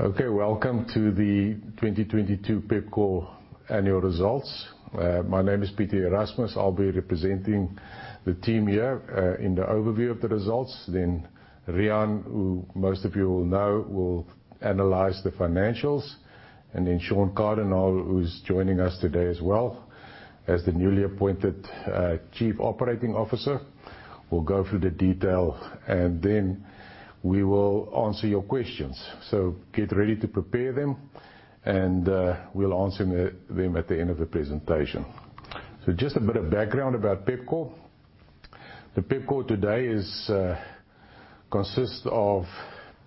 Okay, welcome to the 2022 Pepkor Annual Results. My name is Pieter Erasmus. I'll be representing the team here in the overview of the results. Riaan, who most of you will know, will analyze the financials. Sean Cardinaal, who's joining us today as well as the newly appointed Chief Operating Officer, will go through the detail, and then we will answer your questions. Get ready to prepare them and we'll answer them at the end of the presentation. Just a bit of background about Pepkor. The Pepkor today consists of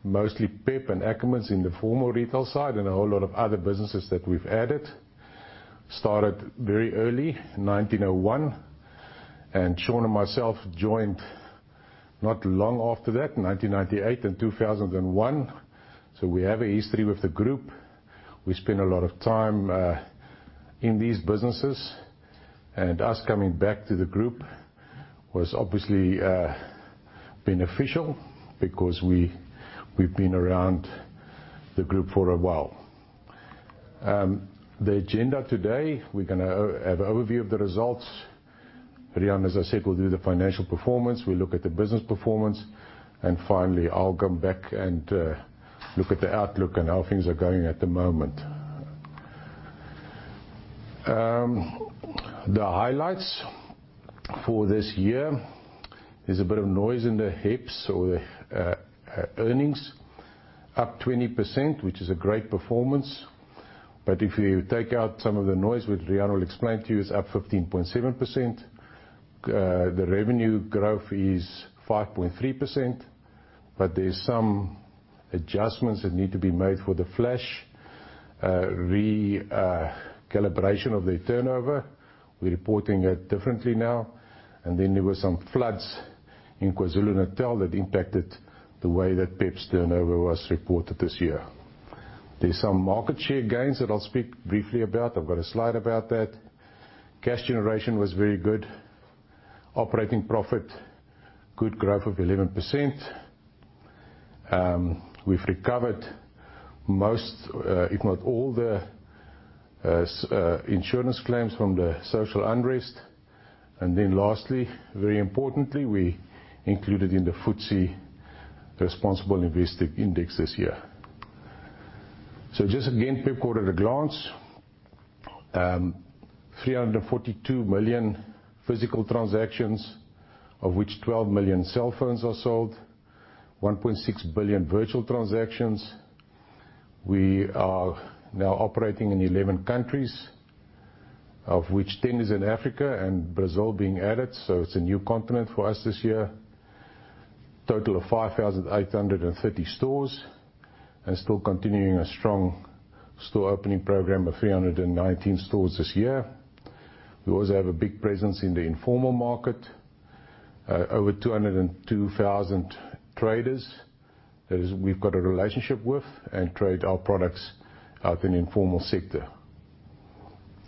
mostly PEP and Ackermans in the formal retail side, and a whole lot of other businesses that we've added. Started very early, in 1901, and Sean and myself joined not long after that, 1998 and 2001. We have a history with the group. We spent a lot of time in these businesses, and us coming back to the group was obviously beneficial because we've been around the group for a while. The agenda today, we're gonna have a overview of the results. Riaan, as I said, will do the financial performance. We'll look at the business performance, and finally I'll come back and look at the outlook and how things are going at the moment. The highlights for this year. There's a bit of noise in the HEPS or earnings. Up 20%, which is a great performance, but if you take out some of the noise, which Riaan will explain to you, it's up 15.7%. The revenue growth is 5.3%, but there's some adjustments that need to be made for the Flash calibration of the turnover. We're reporting it differently now. There were some floods in KwaZulu-Natal that impacted the way that PEP's turnover was reported this year. There's some market share gains that I'll speak briefly about. I've got a slide about that. Cash generation was very good. Operating profit, good growth of 11%. We've recovered most, if not all the insurance claims from the social unrest. Lastly, very importantly, we included in the FTSE Responsible Investing Index this year. Again, Pepkor at a glance. 342 million physical transactions, of which 12 million cell phones are sold. 1.6 billion virtual transactions. We are now operating in 11 countries, of which 10 is in Africa, Brazil being added, so it's a new continent for us this year. Total of 5,830 stores, still continuing a strong store opening program of 319 stores this year. We also have a big presence in the informal market. Over 202,000 traders that is we've got a relationship with and trade our products out in the informal sector.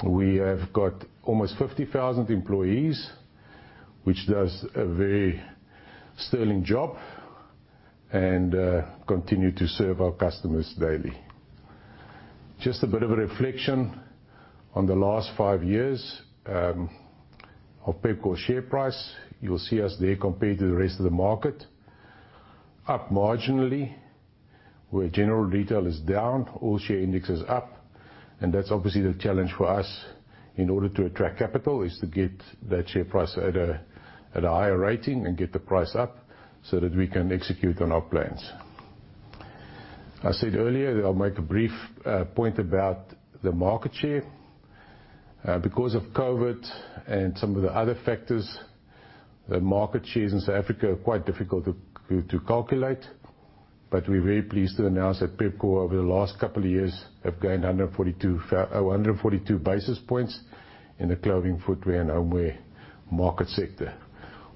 We have got almost 50,000 employees, which does a very sterling job, and continue to serve our customers daily. Just a bit of a reflection on the last five years of Pepkor's share price. You'll see us there compared to the rest of the market. Up marginally, where general retail is down, all share index is up. That's obviously the challenge for us in order to attract capital, is to get that share price at a higher rating and get the price up so that we can execute on our plans. I said earlier that I'll make a brief point about the market share. Because of COVID and some of the other factors, the market shares in South Africa are quite difficult to calculate, but we're very pleased to announce that Pepkor, over the last couple of years, have gained 142 basis points in the clothing, footwear, and homeware market sector,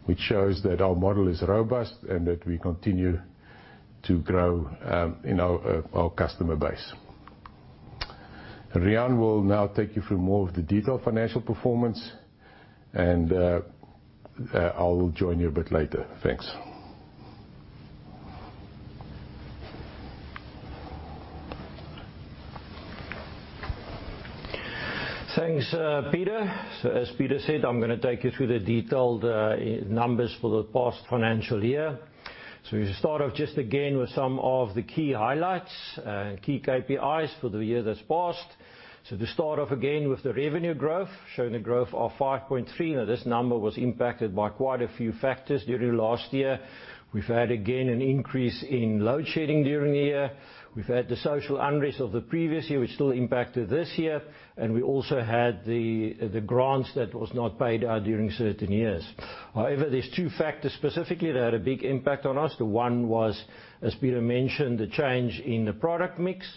which shows that our model is robust and that we continue to grow in our customer base. Riaan will now take you through more of the detailed financial performance and, I'll join you a bit later. Thanks. Thanks, Pieter. As Pieter said, I'm gonna take you through the detailed numbers for the past financial year. We start off just again with some of the key highlights and key KPIs for the year that's passed. To start off again with the revenue growth, showing a growth of 5.3%. This number was impacted by quite a few factors during the last year. We've had, again, an increase in load shedding during the year. We've had the social unrest of the previous year, which still impacted this year, and we also had the grants that was not paid out during certain years. However, there's two factors specifically that had a big impact on us. The one was, as Pieter mentioned, the change in the product mix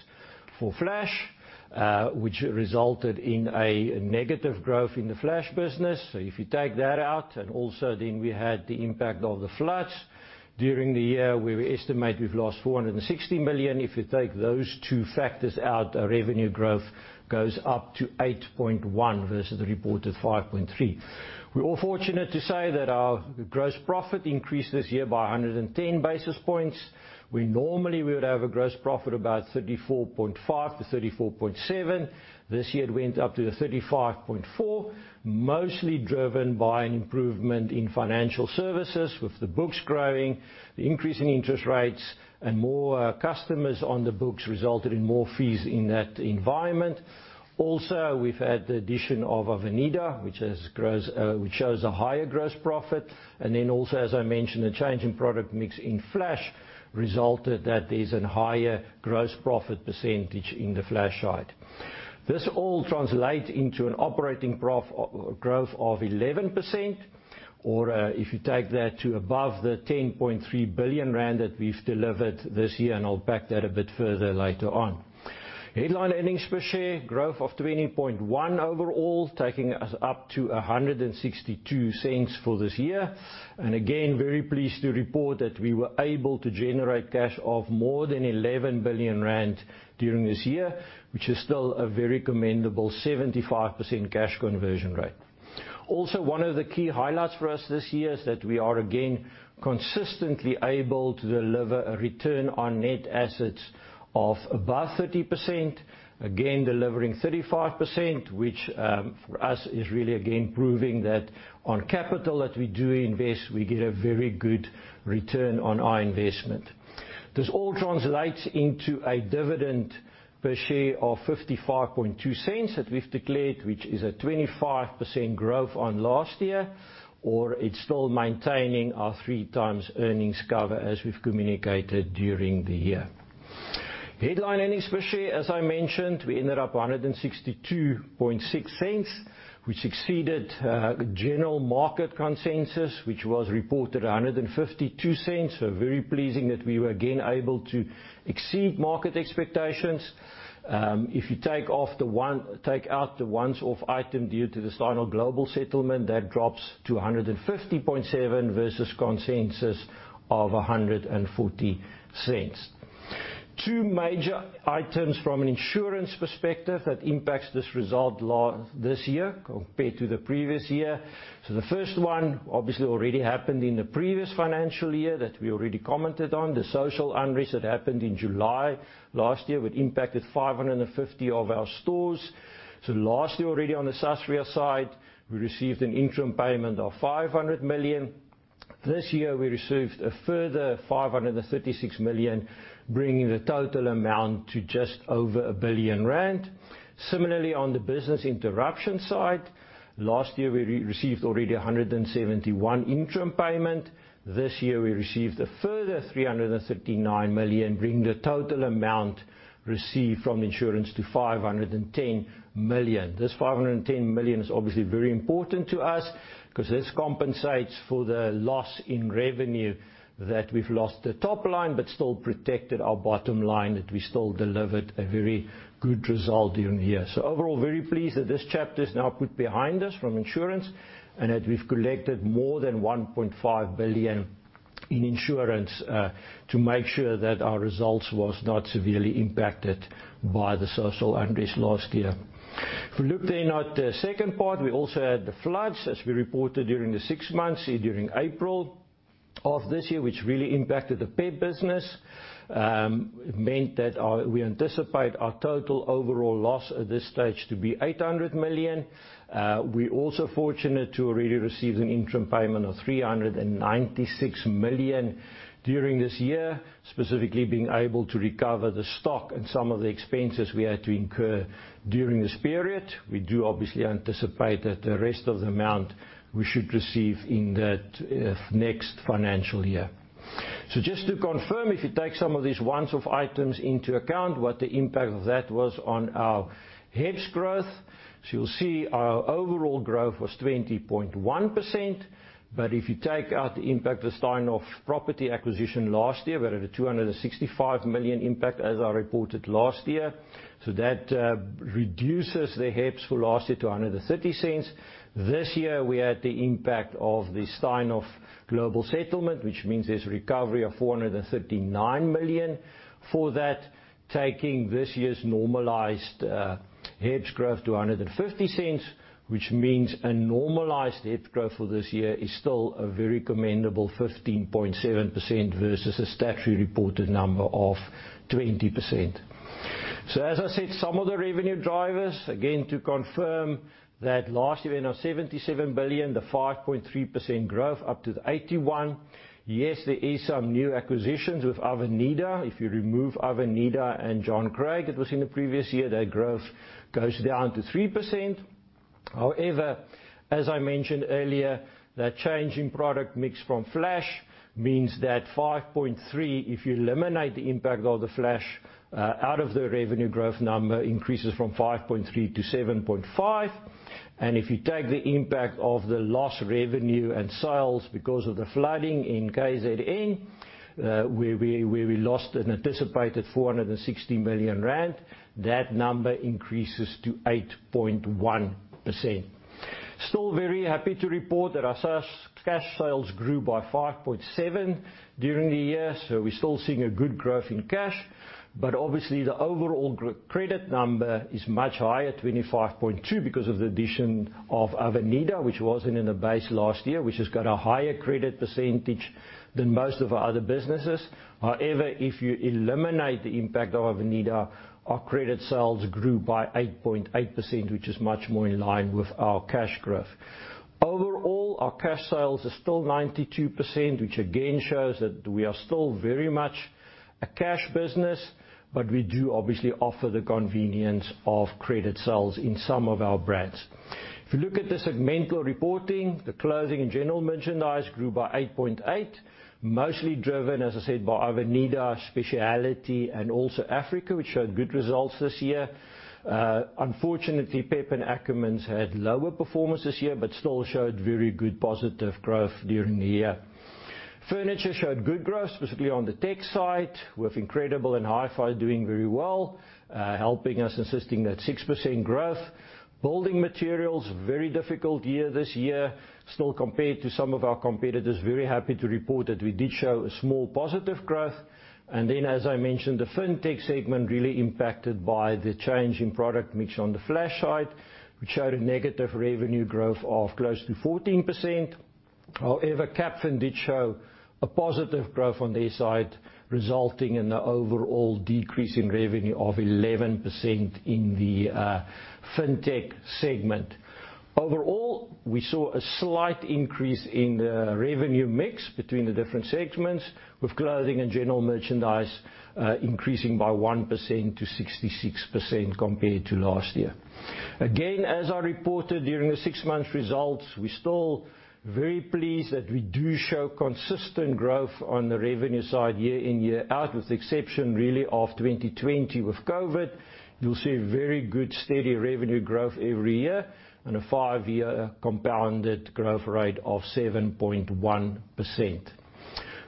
for Flash, which resulted in a negative growth in the Flash business. If you take that out, and also then we had the impact of the floods during the year, we estimate we've lost 460 million. If you take those two factors out, our revenue growth goes up to 8.1% versus the reported 5.3. We're all fortunate to say that our gross profit increased this year by 110 basis points. We normally would have a gross profit about 34.5%-34.7%. This year it went up to 35.4%, mostly driven by an improvement in financial services, with the books growing, the increase in interest rates, and more customers on the books resulted in more fees in that environment. Also, we've had the addition of Avenida, which shows a higher gross profit. Also, as I mentioned, a change in product mix in Flash resulted that there's a higher gross profit percentage in the Flash side. This all translates into an operating growth of 11%. If you take that to above the 10.3 billion rand that we've delivered this year, I'll back that a bit further later on. Headline earnings per share growth of 20.1% overall, taking us up to 1.62 for this year. Again, very pleased to report that we were able to generate cash of more than 11 billion rand during this year, which is still a very commendable 75% cash conversion rate. One of the key highlights for us this year is that we are again consistently able to deliver a return on net assets of above 30%, again delivering 35%, which for us is really again proving that on capital that we do invest, we get a very good return on our investment. This all translates into a dividend per share of 0.552 that we've declared, which is a 25% growth on last year, or it's still maintaining our three times earnings cover as we've communicated during the year. Headline earnings per share, as I mentioned, we ended up 1.626, which exceeded general market consensus, which was reported 1.52. Very pleasing that we were again able to exceed market expectations. If you take off the one...take out the once-off item due to the Steinhoff global settlement, that drops to 1.507 versus consensus of 1.40. Two major items from an insurance perspective that impacts this result this year compared to the previous year. The first one obviously already happened in the previous financial year that we already commented on, the social unrest that happened in July last year, which impacted 550 of our stores. Last year already on the Sasria side, we received an interim payment of 500 million. This year we received a further 536 million, bringing the total amount to just over 1 billion rand. Similarly, on the business interruption side, last year we re-received already 171 interim payment. This year we received a further 339 million, bringing the total amount received from insurance to 510 million. This 510 million is obviously very important to us, 'cause this compensates for the loss in revenue that we've lost the top line but still protected our bottom line, that we still delivered a very good result during the year. Overall, very pleased that this chapter is now put behind us from insurance, and that we've collected more than 1.5 billion in insurance to make sure that our results was not severely impacted by the social unrest last year. If we look then at the second part, we also had the floods, as we reported during the six months, during April of this year, which really impacted the PEP business. We anticipate our total overall loss at this stage to be 800 million. We're also fortunate to have already received an interim payment of 396 million during this year, specifically being able to recover the stock and some of the expenses we had to incur during this period. We do obviously anticipate that the rest of the amount we should receive in that next financial year. Just to confirm, if you take some of these once-off items into account, what the impact of that was on our HEPS growth. You'll see our overall growth was 20.1%. If you take out the impact of the Steinhoff property acquisition last year, we're at a 265 million impact as I reported last year. That reduces the HEPS for last year to 1.30. This year we had the impact of the Steinhoff global settlement, which means there's recovery of 439 million for that, taking this year's normalized HEPS growth to 1.50, which means a normalized HEPS growth for this year is still a very commendable 15.7% versus the statutory reported number of 20%. As I said, some of the revenue drivers, again, to confirm that last year we had now 77 billion, the 5.3% growth up to the 81 billion. Yes, there is some new acquisitions with Avenida. If you remove Avenida and John Craig that was in the previous year, their growth goes down to 3%. As I mentioned earlier, that change in product mix from Flash means that 5.3%, if you eliminate the impact of the Flash out of the revenue growth number, increases from 5.3% to 7.5%. If you take the impact of the lost revenue and sales because of the flooding in KZN, where we lost an anticipated 460 million rand, that number increases to 8.1%. Still very happy to report that our cash sales grew by 5.7% during the year, so we're still seeing a good growth in cash. Obviously, the overall credit number is much higher, 25.2%, because of the addition of Avenida, which wasn't in the base last year, which has got a higher credit percentage than most of our other businesses. If you eliminate the impact of Avenida, our credit sales grew by 8.8%, which is much more in line with our cash growth. Overall, our cash sales are still 92%, which again shows that we are still very much a cash business, but we do obviously offer the convenience of credit sales in some of our brands. If you look at the segmental reporting, the clothing and general merchandise grew by 8.8%, mostly driven, as I said, by Avenida, Speciality, and also PEP Africa, which showed good results this year. Unfortunately, PEP and Ackermans had lower performance this year, but still showed very good positive growth during the year. Furniture showed good growth, specifically on the tech side, with Incredible Connection and HiFi Corp doing very well, helping us insisting that 6% growth. Building materials, very difficult year this year. Still, compared to some of our competitors, very happy to report that we did show a small positive growth. As I mentioned, the Fintech segment really impacted by the change in product mix on the Flash side, which showed a negative revenue growth of close to 14%. However, Capfin did show a positive growth on their side, resulting in the overall decrease in revenue of 11% in the Fintech segment. Overall, we saw a slight increase in the revenue mix between the different segments, with clothing and general merchandise increasing by 1% to 66% compared to last year. Again, as I reported during the six-month results, we're still very pleased that we do show consistent growth on the revenue side year in, year out. With the exception really of 2020 with COVID, you'll see very good steady revenue growth every year and a five-year compounded growth rate of 7.1%.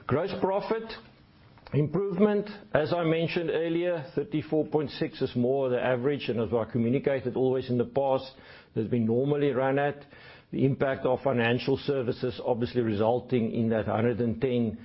Gross profit improvement, as I mentioned earlier, 34.6% is more the average. As I communicated always in the past, that we normally run at the impact of financial services, obviously resulting in that 1.10.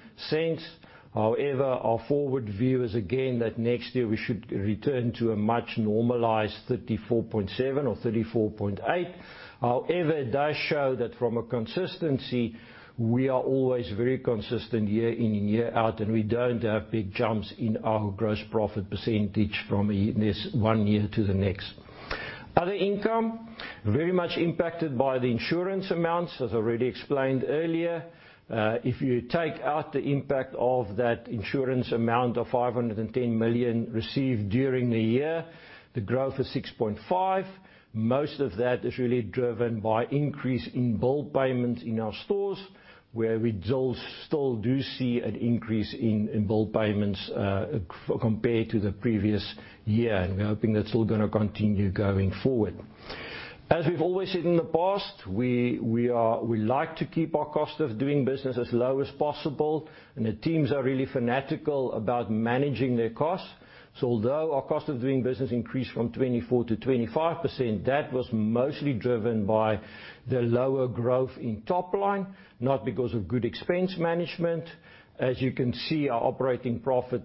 However, our forward view is again that next year we should return to a much normalized 34.7% or 34.8%. However, it does show that from a consistency, we are always very consistent year in and year out, and we don't have big jumps in our gross profit percentage from the one year to the next. Other income, very much impacted by the insurance amounts, as I already explained earlier. If you take out the impact of that insurance amount of 510 million received during the year, the growth is 6.5%. Most of that is really driven by increase in bill payments in our stores, where we still do see an increase in bill payments compared to the previous year. We're hoping that's all gonna continue going forward. As we've always said in the past, we like to keep our cost of doing business as low as possible, and the teams are really fanatical about managing their costs. Although our cost of doing business increased from 24%-25%, that was mostly driven by the lower growth in top line, not because of good expense management. As you can see, our operating profit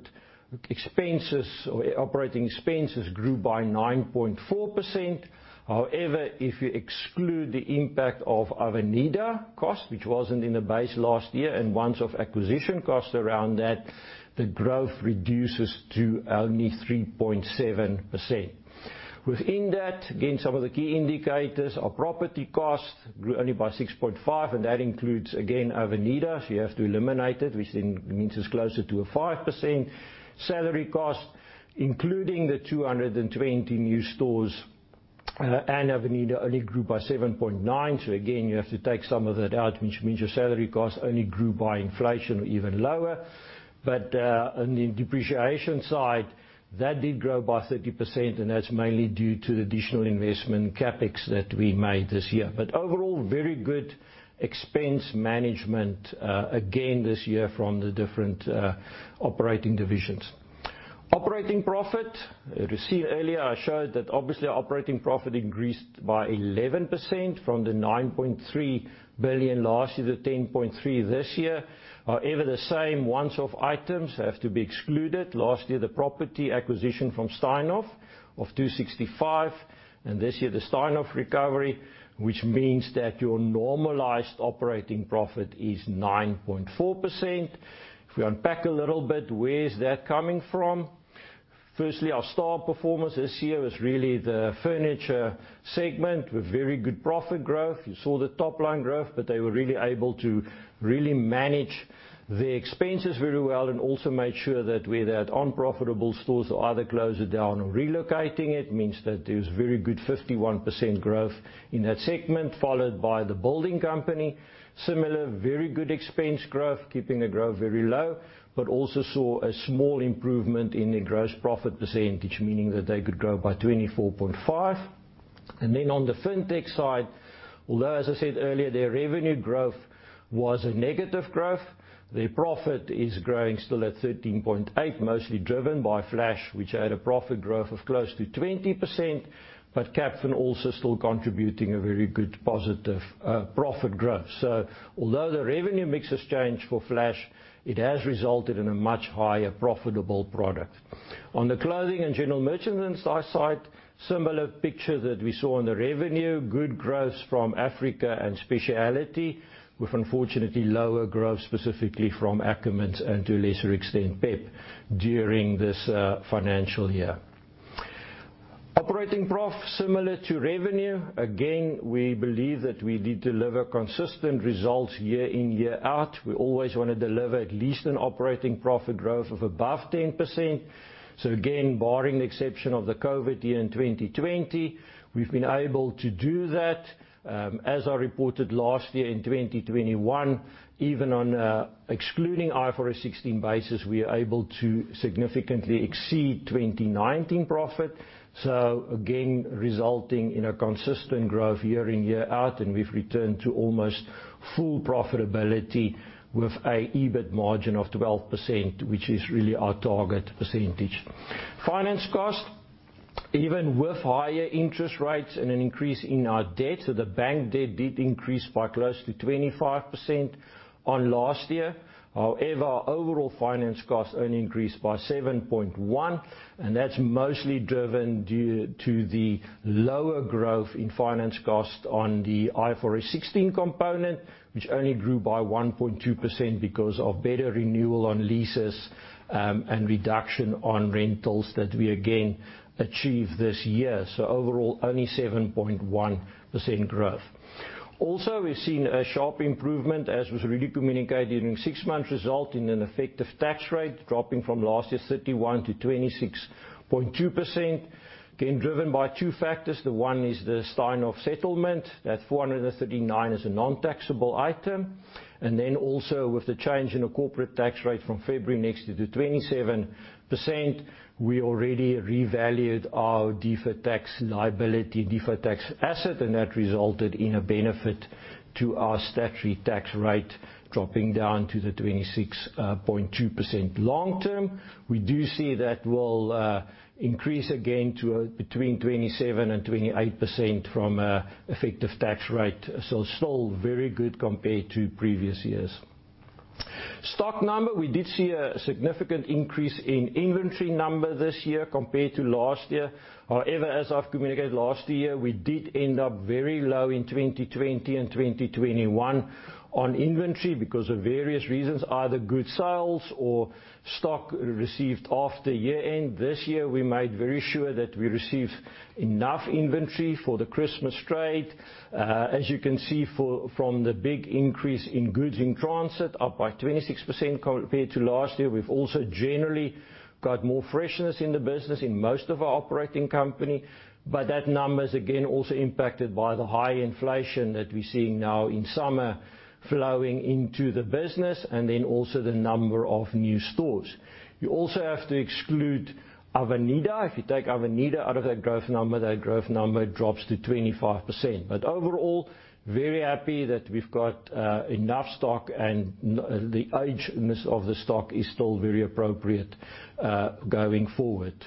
expenses or operating expenses grew by 9.4%. If you exclude the impact of Avenida costs, which wasn't in the base last year, and once off acquisition costs around that, the growth reduces to only 3.7%. Within that, again, some of the key indicators. Our property costs grew only by 6.5%, and that includes, again, Avenida. You have to eliminate it, which then means it's closer to a 5%. Salary costs, including the 220 new stores, and Avenida only grew by 7.9%. Again, you have to take some of that out, which means your salary costs only grew by inflation or even lower. On the depreciation side, that did grow by 30%, and that's mainly due to the additional investment CapEx that we made this year. Overall, very good expense management again this year from the different operating divisions. Operating profit, you see earlier, I showed that obviously our operating profit increased by 11% from the 9.3 billion last year to 10.3 billion this year. The same once-off items have to be excluded. Last year, the property acquisition from Steinhoff of 265, and this year, the Steinhoff recovery, which means that your normalized operating profit is 9.4%. We unpack a little bit, where is that coming from? Firstly, our star performance this year was really the furniture segment with very good profit growth. You saw the top line growth, they were really able to really manage their expenses very well and also made sure that where they had unprofitable stores or either closed it down or relocating it, means that there's very good 51% growth in that segment, followed by The Building Company. Similar, very good expense growth, keeping the growth very low, also saw a small improvement in the gross profit percentage, meaning that they could grow by 24.5%. On the Fintech side, although as I said earlier, their revenue growth was a negative growth, their profit is growing still at 13.8%, mostly driven by Flash, which had a profit growth of close to 20%, Capfin also still contributing a very good positive profit growth. Although the revenue mix has changed for Flash, it has resulted in a much higher profitable product. On the clothing and general merchandise side, similar picture that we saw on the revenue, good growth from Africa and speciality, with unfortunately lower growth, specifically from Ackermans and to a lesser extent, PEP, during this financial year. Operating prof, similar to revenue. We believe that we did deliver consistent results year in, year out. We always wanna deliver at least an operating profit growth of above 10%. Again, barring the exception of the COVID year in 2020, we've been able to do that. As I reported last year in 2021, even on excluding IFRS 16 basis, we are able to significantly exceed 2019 profit, again resulting in a consistent growth year in, year out, and we've returned to almost full profitability with an EBIT margin of 12%, which is really our target percentage. Finance cost, even with higher interest rates and an increase in our debt, the bank debt did increase by close to 25% on last year. However, our overall finance cost only increased by 7.1%, that's mostly driven due to the lower growth in finance cost on the IFRS 16 component, which only grew by 1.2% because of better renewal on leases, and reduction on rentals that we again achieved this year. Overall, only 7.1% growth. We've seen a sharp improvement, as was really communicated during six months result, in an effective tax rate, dropping from last year's 31% to 26.2%, again driven by two factors. The one is the Steinhoff settlement. That 439 is a non-taxable item. Then also with the change in the corporate tax rate from February next year to 27%, we already revalued our deferred tax liability, deferred tax asset, that resulted in a benefit to our statutory tax rate dropping down to the 26.2%. Long term, we do see that will increase again to between 27% and 28% from effective tax rate, still very good compared to previous years. We did see a significant increase in inventory number this year compared to last year. As I've communicated last year, we did end up very low in 2020 and 2021 on inventory because of various reasons, either good sales or stock received after year-end. This year, we made very sure that we received enough inventory for the Christmas trade. As you can see from the big increase in goods in transit, up by 26% compared to last year. We've also generally got more freshness in the business in most of our operating company. That number is again also impacted by the high inflation that we're seeing now in summer flowing into the business and then also the number of new stores. You also have to exclude Avenida. If you take Avenida out of that growth number, that growth number drops to 25%. Overall, very happy that we've got enough stock and the age of the stock is still very appropriate going forward.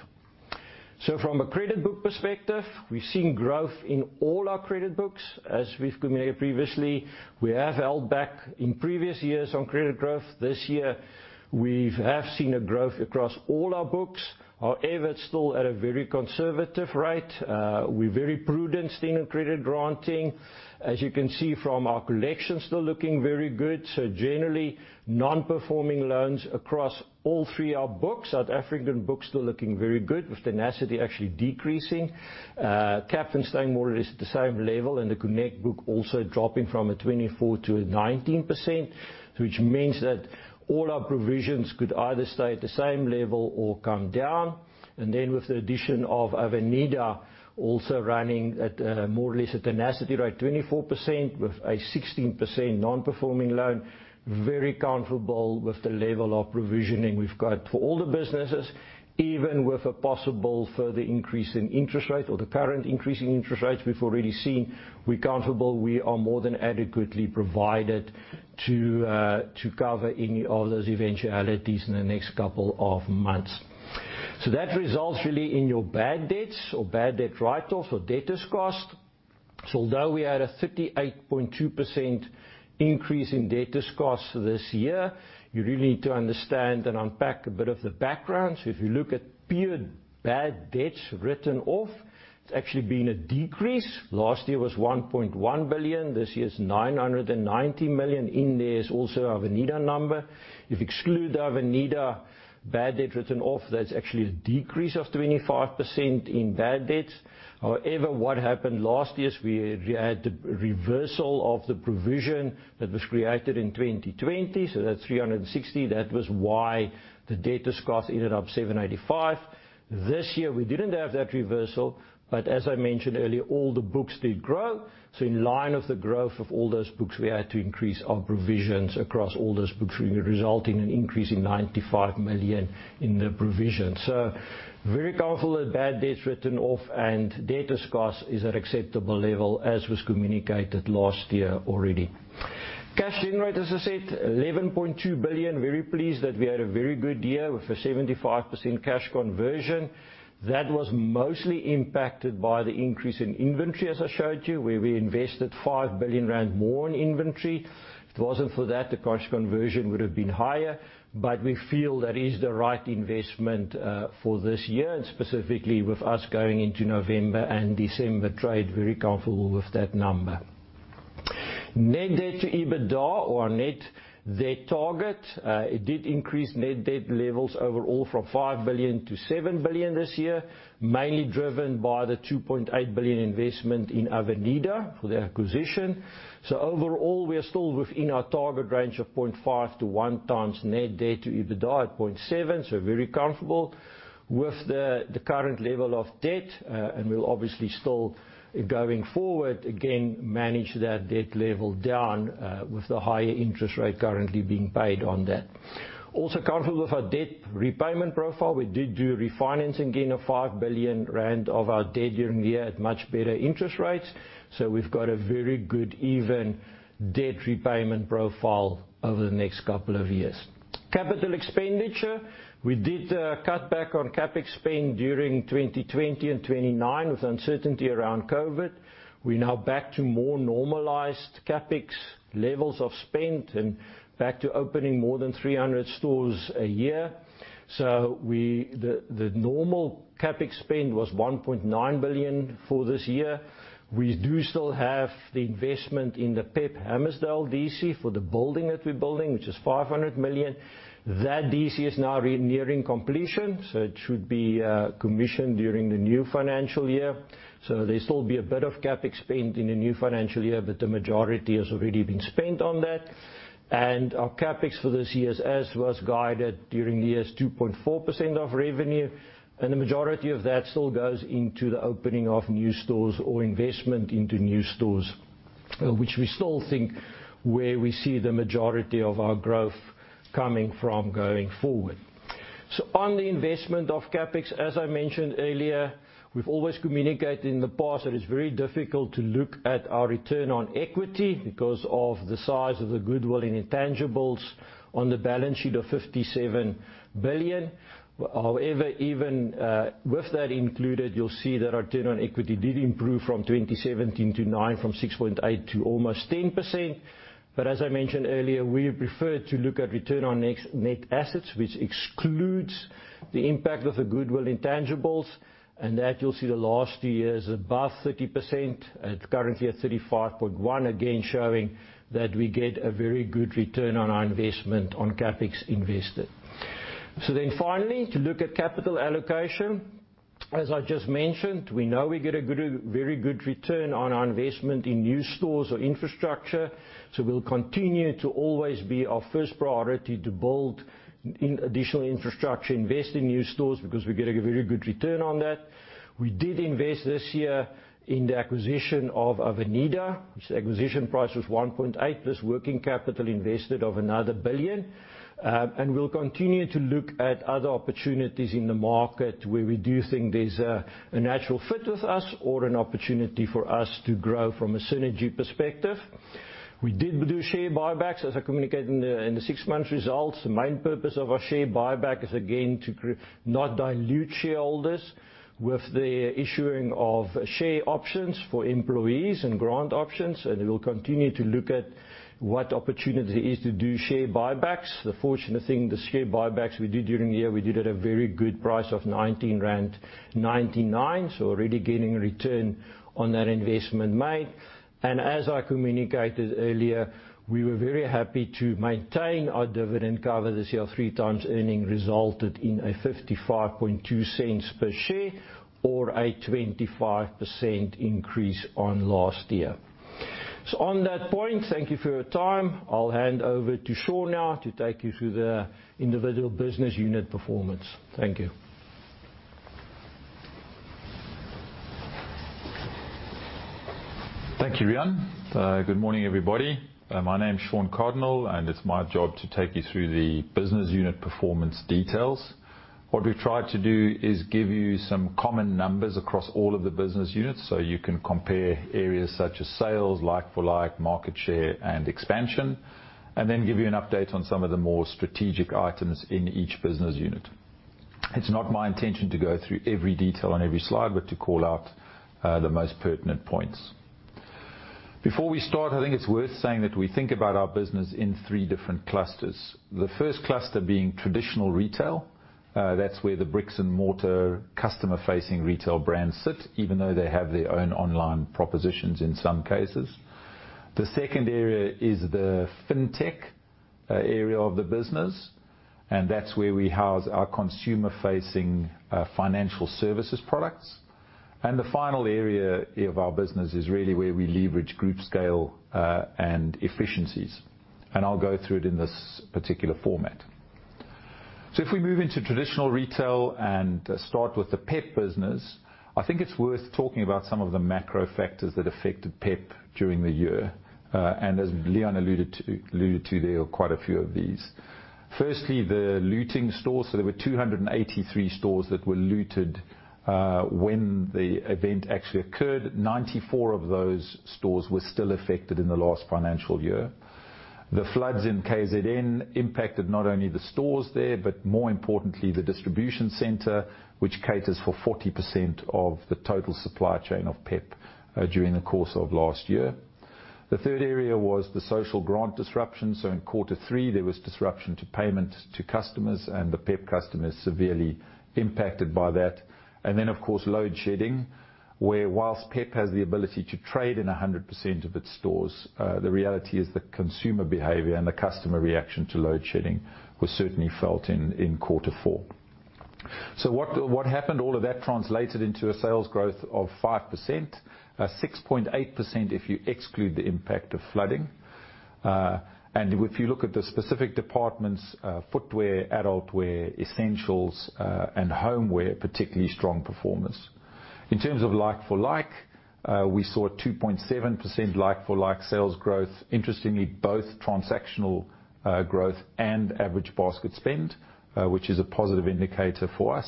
From a credit book perspective, we've seen growth in all our credit books. As we've communicated previously, we have held back in previous years on credit growth. This year, we've seen a growth across all our books. However, it's still at a very conservative rate. We're very prudent still in credit granting. As you can see from our collection, still looking very good. Generally, non-performing loans across all three of our books. South African books still looking very good, with Tenacity actually decreasing. Capfin staying more or less at the same level, and the Connect book also dropping from a 24% to a 19%, which means that all our provisions could either stay at the same level or come down. With the addition of Avenida also running at more or less a Tenacity rate, 24% with a 16% non-performing loan, very comfortable with the level of provisioning we've got for all the businesses. Even with a possible further increase in interest rates or the current increase in interest rates we've already seen, we're comfortable we are more than adequately provided to cover any of those eventualities in the next couple of months. That results really in your bad debts or bad debt write-offs or debtors cost. Although we had a 38.2% increase in debtors cost this year, you really need to understand and unpack a bit of the background. If you look at pure bad debts written off, it's actually been a decrease. Last year was 1.1 billion. This year's 990 million. In there is also Avenida number. If you exclude the Avenida bad debt written off, that's actually a decrease of 25% in bad debts. However, what happened last year is we had the reversal of the provision that was created in 2020, so that's 360. That was why the debtors cost ended up 795. This year, we didn't have that reversal, but as I mentioned earlier, all the books did grow. In line with the growth of all those books, we had to increase our provisions across all those books, resulting in an increase in 95 million in the provision. Very comfortable with bad debts written off and debtors' cost is at acceptable level, as was communicated last year already. Cash generate, as I said, 11.2 billion. Very pleased that we had a very good year with a 75% cash conversion. That was mostly impacted by the increase in inventory, as I showed you, where we invested 5 billion rand more in inventory. If it wasn't for that, the cash conversion would have been higher, but we feel that is the right investment for this year, and specifically with us going into November and December trade, very comfortable with that number. Net debt to EBITDA or net debt target. It did increase net debt levels overall from 5 billion-7 billion this year, mainly driven by the 2.8 billion investment in Avenida for the acquisition. Overall, we are still within our target range of 0.5-1x net debt to EBITDA at 0.7. Very comfortable with the current level of debt, and we'll obviously still, going forward, again, manage that debt level down with the higher interest rate currently being paid on that. Also comfortable with our debt repayment profile. We did do refinancing, again, of 5 billion rand of our debt during the year at much better interest rates, so we've got a very good even debt repayment profile over the next couple of years. Capital expenditure. We did cut back on CapEx spend during 2020 and 2019 with uncertainty around COVID. We're now back to more normalized CapEx levels of spend and back to opening more than 300 stores a year. The normal CapEx spend was 1.9 billion for this year. We do still have the investment in the PEP Hammersdale DC for the building that we're building, which is 500 million. That DC is now nearing completion, it should be commissioned during the new financial year. There'll still be a bit of CapEx spend in the new financial year, but the majority has already been spent on that. Our CapEx for this year as was guided during the year is 2.4% of revenue, and the majority of that still goes into the opening of new stores or investment into new stores, which we still think where we see the majority of our growth coming from going forward. On the investment of CapEx, as I mentioned earlier, we've always communicated in the past that it's very difficult to look at our return on equity because of the size of the goodwill and intangibles on the balance sheet of 57 billion. However, even with that included, you'll see that our return on equity did improve from 2017 to 9, from 6.8% to almost 10%. As I mentioned earlier, we prefer to look at return on net assets, which excludes the impact of the goodwill intangibles, and that you'll see the last year is above 30%. It's currently at 35.1%, again, showing that we get a very good return on our investment on CapEx invested. Finally, to look at capital allocation. As I just mentioned, we know we get a good, very good return on our investment in new stores or infrastructure, we'll continue to always be our first priority to build in additional infrastructure, invest in new stores, because we get a very good return on that. We did invest this year in the acquisition of Avenida. Its acquisition price was 1.8, plus working capital invested of another 1 billion. We'll continue to look at other opportunities in the market where we do think there's a natural fit with us or an opportunity for us to grow from a synergy perspective. We did do share buybacks, as I communicated in the six-month results. The main purpose of our share buyback is again to not dilute shareholders with the issuing of share options for employees and grant options, we'll continue to look at what opportunity is to do share buybacks. The fortunate thing, the share buybacks we did during the year, we did at a very good price of 19.99 rand, so already getting a return on that investment made. As I communicated earlier, we were very happy to maintain our dividend cover this year, three times earning resulted in 0.552 per share or a 25% increase on last year. On that point, thank you for your time. I'll hand over to Sean now to take you through the individual business unit performance. Thank you. Thank you, Riaan. Good morning, everybody. My name's Sean Cardinaal, and it's my job to take you through the business unit performance details. What we've tried to do is give you some common numbers across all of the business units, so you can compare areas such as sales, like-for-like, market share, and expansion, and then give you an update on some of the more strategic items in each business unit. It's not my intention to go through every detail on every slide, but to call out the most pertinent points. Before we start, I think it's worth saying that we think about our business in three different clusters. The first cluster being traditional retail. That's where the bricks-and-mortar customer-facing retail brands sit, even though they have their own online propositions in some cases. The second area is the Fintech area of the business, and that's where we house our consumer-facing financial services products. The final area of our business is really where we leverage group scale and efficiencies. I'll go through it in this particular format. If we move into traditional retail and start with the PEP business, I think it's worth talking about some of the macro factors that affected PEP during the year. As Riaan alluded to, there are quite a few of these. Firstly, the looting stores. There were 283 stores that were looted when the event actually occurred. 94 of those stores were still affected in the last financial year. The floods in KZN impacted not only the stores there, but more importantly, the distribution center, which caters for 40% of the total supply chain of PEP, during the course of last year. The third area was the social grant disruption. In quarter three, there was disruption to payment to customers and the PEP customers severely impacted by that. Of course, load shedding, where whilst PEP has the ability to trade in 100% of its stores, the reality is the consumer behavior and the customer reaction to load shedding was certainly felt in quarter four. What happened? All of that translated into a sales growth of 5%, 6.8% if you exclude the impact of flooding. If you look at the specific departments, footwear, adult wear, essentials, and homeware, particularly strong performance. In terms of like for like, we saw 2.7% like for like sales growth, interestingly, both transactional growth and average basket spend, which is a positive indicator for us.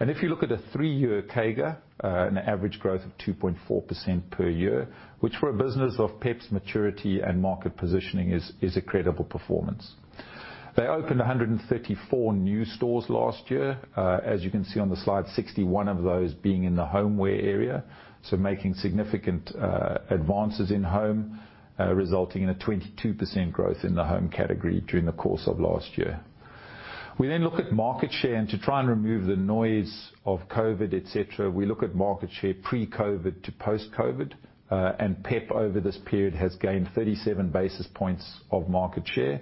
If you look at a three-year CAGR, an average growth of 2.4% per year, which for a business of PEP's maturity and market positioning is a credible performance. They opened 134 new stores last year. As you can see on the slide, 61 of those being in the homeware area, so making significant advances in home, resulting in a 22% growth in the home category during the course of last year. We then look at market share, and to try and remove the noise of COVID, et cetera, we look at market share pre-COVID to post-COVID, and PEP over this period has gained 37 basis points of market share.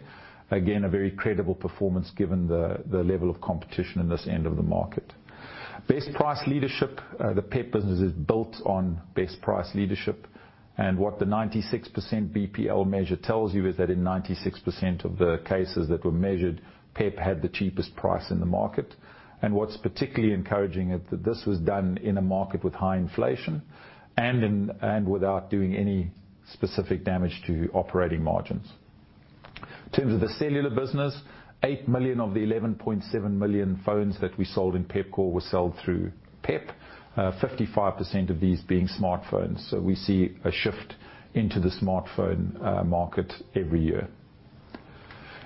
Again, a very credible performance given the level of competition in this end of the market. Best price leadership, the PEP business is built on best price leadership. What the 96% BPL measure tells you is that in 96% of the cases that were measured, PEP had the cheapest price in the market. What's particularly encouraging is that this was done in a market with high inflation and without doing any specific damage to operating margins. In terms of the cellular business, 8 million of the 11.7 million phones that we sold in Pepkor were sold through PEP, 55% of these being smartphones. We see a shift into the smartphone market every year.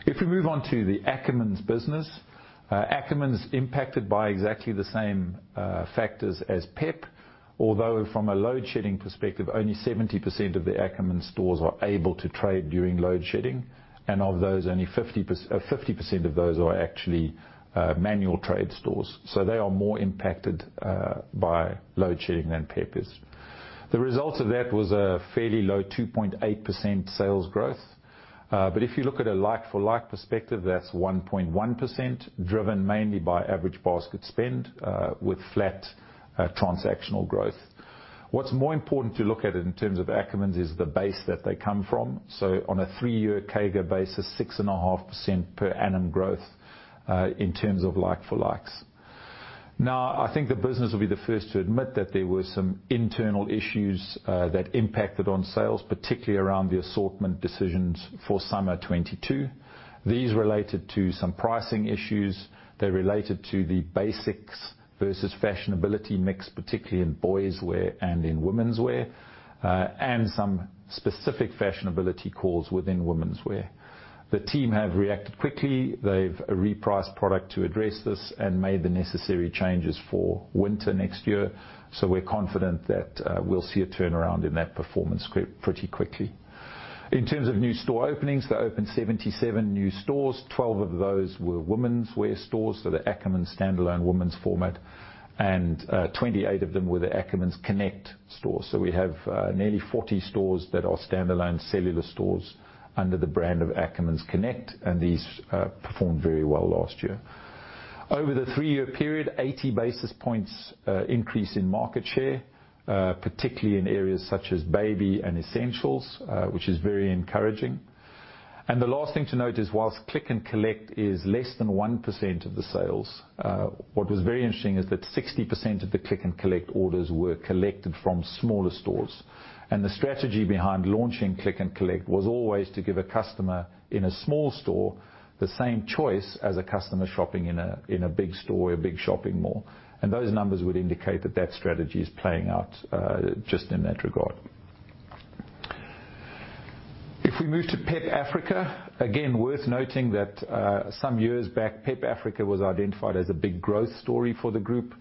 If we move on to the Ackermans business, Ackermans is impacted by exactly the same factors as PEP, although from a load shedding perspective, only 70% of the Ackermans stores are able to trade during load shedding, and of those, only 50% of those are actually manual trade stores. They are more impacted by load shedding than PEP is. The result of that was a fairly low 2.8% sales growth. If you look at a like for like perspective, that's 1.1%, driven mainly by average basket spend, with flat transactional growth. What's more important to look at in terms of Ackermans is the base that they come from. On a three-year CAGR basis, 6.5% per annum growth in terms of like for likes. I think the business will be the first to admit that there were some internal issues that impacted on sales, particularly around the assortment decisions for summer 2022. These related to some pricing issues. They related to the basics versus fashionability mix, particularly in boys wear and in women's wear, and some specific fashionability calls within women's wear. The team have reacted quickly. They've repriced product to address this and made the necessary changes for winter next year. We're confident that we'll see a turnaround in that performance pretty quickly. In terms of new store openings, they opened 77 new stores. 12 of those were women's wear stores, so the Ackermans standalone women's format, and 28 of them were the Ackermans Connect stores. We have nearly 40 stores that are standalone cellular stores under the brand of Ackermans Connect, and these performed very well last year. Over the three-year period, 80 basis points increase in market share, particularly in areas such as baby and essentials, which is very encouraging. The last thing to note is whilst click and collect is less than 1% of the sales, what was very interesting is that 60% of the click and collect orders were collected from smaller stores. The strategy behind launching Click and Collect was always to give a customer in a small store the same choice as a customer shopping in a, in a big store or a big shopping mall. Those numbers would indicate that that strategy is playing out just in that regard. If we move to PEP Africa, again, worth noting that some years back, PEP Africa was identified as a big growth story for the group.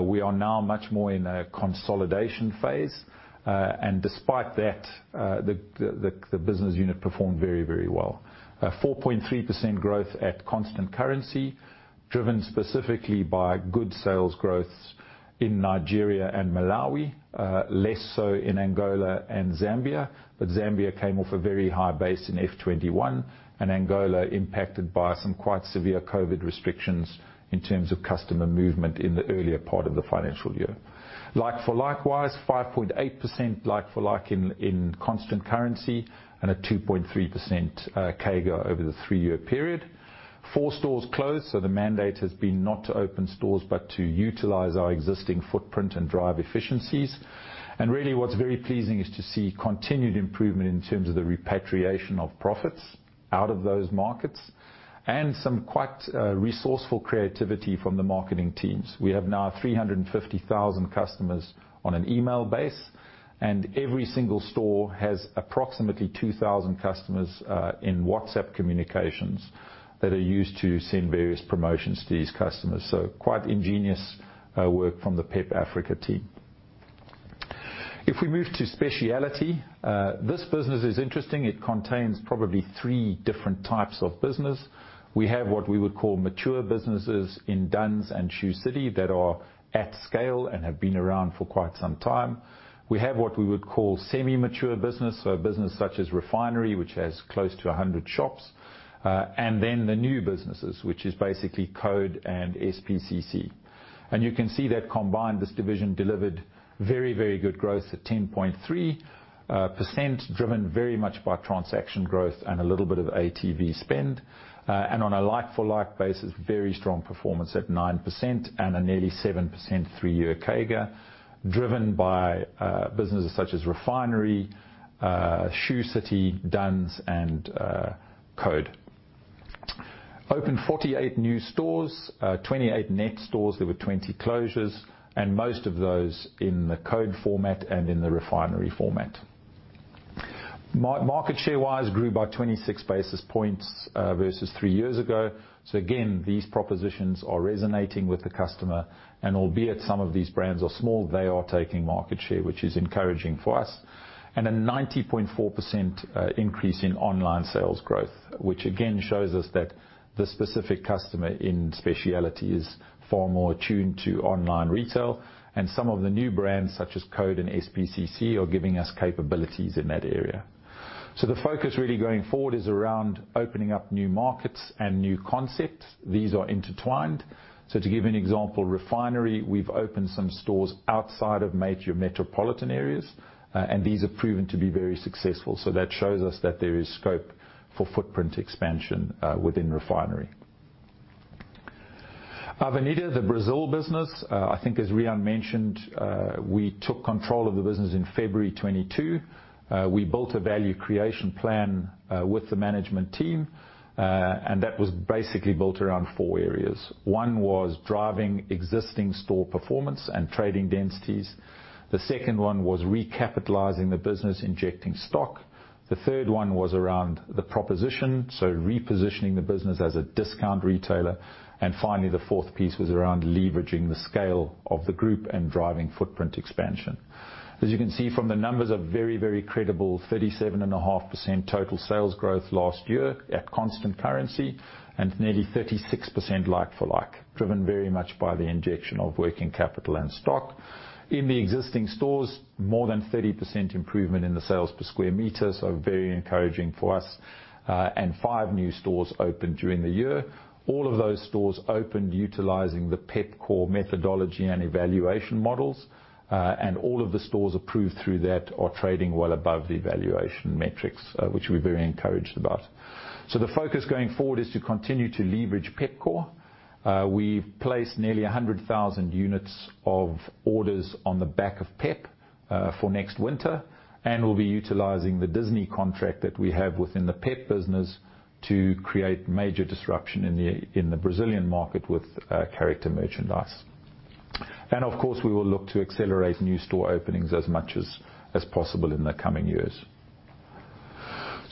We are now much more in a consolidation phase, and despite that, the business unit performed very, very well. 4.3% growth at constant currency, driven specifically by good sales growth in Nigeria and Malawi, less so in Angola and Zambia. Zambia came off a very high base in F '21, and Angola impacted by some quite severe COVID restrictions in terms of customer movement in the earlier part of the financial year. Like for likewise, 5.8% like for like in constant currency and a 2.3% CAGR over the three-year period. Four stores closed, the mandate has been not to open stores, but to utilize our existing footprint and drive efficiencies. Really what's very pleasing is to see continued improvement in terms of the repatriation of profits out of those markets, and some quite resourceful creativity from the marketing teams. We have now 350,000 customers on an email base, every single store has approximately 2,000 customers in WhatsApp communications that are used to send various promotions to these customers. Quite ingenious work from the PEP Africa team. If we move to Speciality, this business is interesting. It contains probably three different types of business. We have what we would call mature businesses in Dunns and Shoe City that are at scale and have been around for quite some time. We have what we would call semi-mature business, so business such as Refinery, which has close to 100 shops. The new businesses, which is basically CODE and S.P.C.C. You can see that combined, this division delivered very, very good growth at 10.3%, driven very much by transaction growth and a little bit of ATV spend. On a like for like basis, very strong performance at 9% and a nearly 7% three-year CAGR, driven by businesses such as Refinery, Shoe City, Dunns and Code. Opened 48 new stores, 28 net stores. There were 20 closures, and most of those in the Code format and in the Refinery format. Market share-wise grew by 26 basis points versus three years ago. Again, these propositions are resonating with the customer. Albeit some of these brands are small, they are taking market share, which is encouraging for us. A 90.4% increase in online sales growth, which again shows us that the specific customer in speciality is far more attuned to online retail. Some of the new brands such as Code and S.P.C.C. are giving us capabilities in that area. The focus really going forward is around opening up new markets and new concepts. These are intertwined. To give you an example, Refinery, we've opened some stores outside of major metropolitan areas, and these have proven to be very successful. That shows us that there is scope for footprint expansion within Refinery. Avenida, the Brazil business, I think as Riaan mentioned, we took control of the business in February 2022. We built a Value Creation Plan with the management team, that was basically built around four areas. One was driving existing store performance and trading densities. The second one was recapitalizing the business, injecting stock. The third one was around the proposition, so repositioning the business as a discount retailer. Finally, the fourth piece was around leveraging the scale of the group and driving footprint expansion. As you can see from the numbers, a very, very credible 37.5% total sales growth last year at constant currency and nearly 36% like for like, driven very much by the injection of working capital and stock. In the existing stores, more than 30% improvement in the sales per square meter, very encouraging for us. five new stores opened during the year. All of those stores opened utilizing the PEP Core methodology and evaluation models. All of the stores approved through that are trading well above the evaluation metrics, which we're very encouraged about. The focus going forward is to continue to leverage PEP Core. We've placed nearly 100,000 units of orders on the back of PEP for next winter, and we'll be utilizing the Disney contract that we have within the PEP business to create major disruption in the Brazilian market with character merchandise. Of course, we will look to accelerate new store openings as much as possible in the coming years.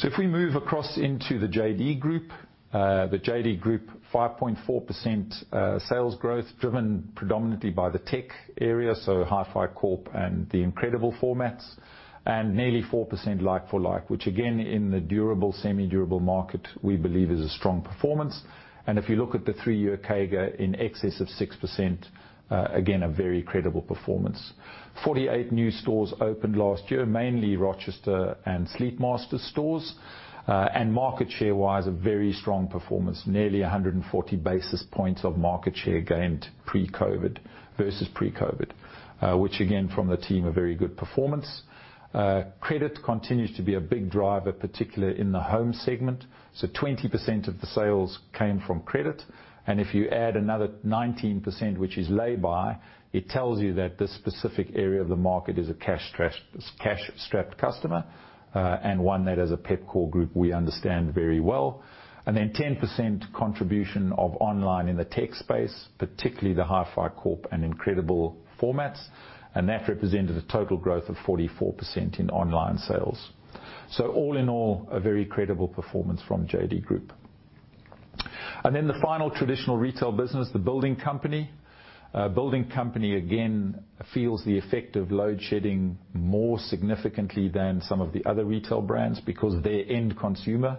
If we move across into the JD Group. The JD Group, 5.4% sales growth, driven predominantly by the tech area, so HiFi Corp and the Incredible formats, and nearly 4% like for like, which again, in the durable, semi-durable market, we believe is a strong performance. If you look at the three-year CAGR in excess of 6%, again, a very credible performance. 48 new stores opened last year, mainly Rochester and Sleepmasters stores. Market share was a very strong performance, nearly 140 basis points of market share gained pre-COVID, versus pre-COVID, which again, from the team, a very good performance. Credit continues to be a big driver, particularly in the home segment. 20% of the sales came from credit, and if you add another 19%, which is lay-by, it tells you that this specific area of the market is a cash-strapped customer, and one that as a PEP Core group we understand very well. 10% contribution of online in the tech space, particularly the HiFi Corp and Incredible formats, and that represented a total growth of 44% in online sales. All in all, a very credible performance from JD Group. The final traditional retail business, The Building Company. Building Company, again, feels the effect of load shedding more significantly than some of the other retail brands because their end consumer,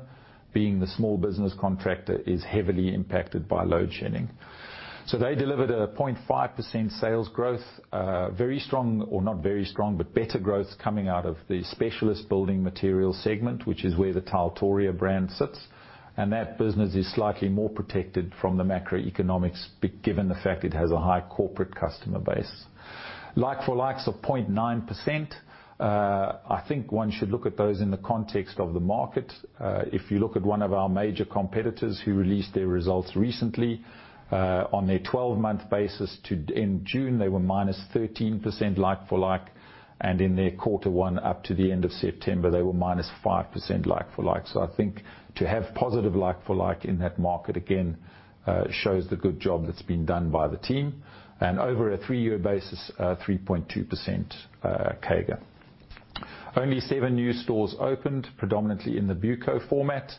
being the small business contractor, is heavily impacted by load shedding. They delivered a 0.5% sales growth, not very strong, but better growth coming out of the specialist building material segment, which is where the Tiletoria brand sits. That business is slightly more protected from the macroeconomics given the fact it has a high corporate customer base. Like for likes of 0.9%, I think one should look at those in the context of the market. If you look at one of our major competitors who released their results recently, on their 12-month basis in June, they were minus 13% like for like, and in their Q1 up to the end of September, they were minus 5% like for like. I think to have positive like for like in that market again, shows the good job that's been done by the team. Over a three-year basis, 3.2% CAGR. Only seven new stores opened predominantly in the BUCO format,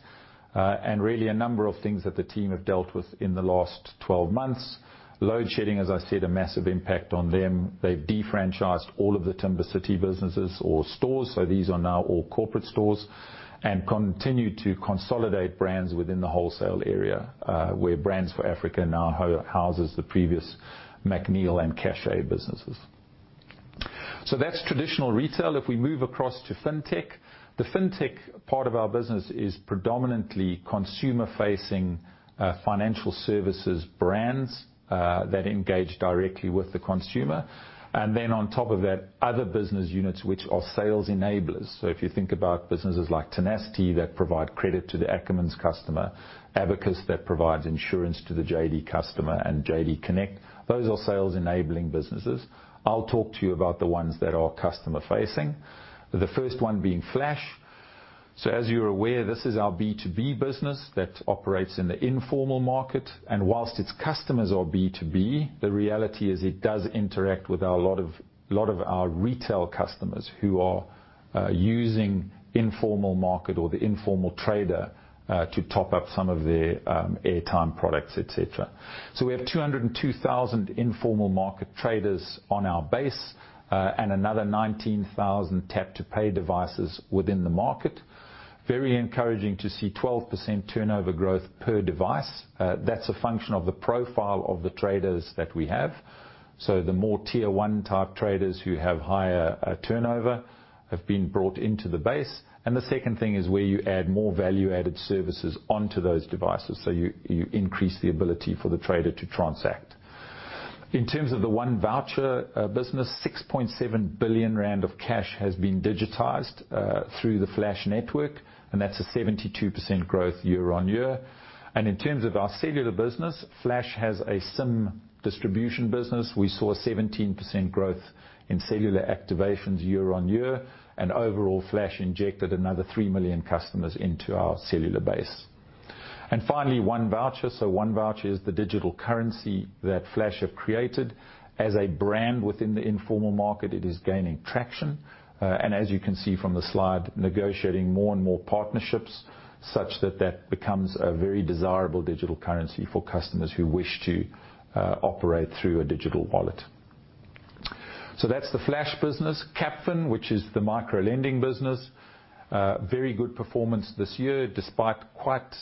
and really a number of things that the team have dealt with in the last 12 months. Load shedding, as I said, a massive impact on them. They've defranchised all of the Timbercity businesses or stores, these are now all corporate stores, and continue to consolidate brands within the wholesale area, where Brands for Africa now houses the previous MacNeil and Cachet businesses. That's traditional retail. If we move across to Fintech. The Fintech part of our business is predominantly consumer-facing financial services brands that engage directly with the consumer. On top of that, other business units, which are sales enablers. If you think about businesses like Tenacity that provide credit to the Ackermans customer, Abacus that provides insurance to the JD customer, and JD Connect, those are sales enabling businesses. I'll talk to you about the ones that are customer facing, the first one being Flash. As you're aware, this is our B2B business that operates in the informal market. Whilst its customers are B2B, the reality is it does interact with lot of our retail customers who are using informal market or the informal trader to top up some of their airtime products, etcetera. We have 202,000 informal market traders on our base and another 19,000 tap-to-pay devices within the market. Very encouraging to see 12% turnover growth per device. That's a function of the profile of the traders that we have. The more tier one type traders who have higher turnover have been brought into the base. The second thing is where you add more value-added services onto those devices, so you increase the ability for the trader to transact. In terms of the 1Voucher business, 6.7 billion rand of cash has been digitized through the Flash network, and that's a 72% growth year-on-year. In terms of our cellular business, Flash has a SIM distribution business. We saw 17% growth in cellular activations year-on-year, and overall, Flash injected another 3 million customers into our cellular base. Finally, 1Voucher. 1Voucher is the digital currency that Flash have created. As a brand within the informal market, it is gaining traction, and as you can see from the slide, negotiating more and more partnerships such that that becomes a very desirable digital currency for customers who wish to operate through a digital wallet. That's the Flash business. Capfin, which is the micro-lending business, very good performance this year, despite quite